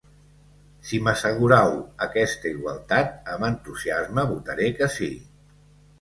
Si m'assegurau aquesta igualtat, amb entusiasme votaré que sí.